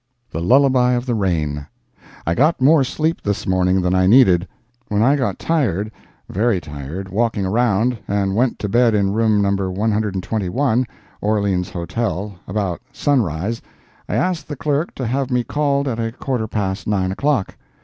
The LULLABY OF THE RAIN I got more sleep this morning than I needed. When I got tired, very tired, walking around, and went to bed in room No. 121, Orleans Hotel, about sunrise, I asked the clerk to have me called at a quarter past 9 o'clock.